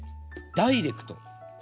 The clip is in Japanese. ダイレクト？